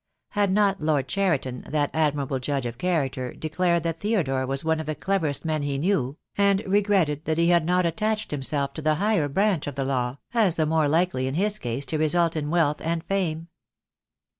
Had not Lord Cheriton, that admirable judge of character, declared that Theodore was one of the cleverest men he knew, and regretted that he had not attached himself to the higher branch of the law, as the more likely in his case to result in wealth and fame?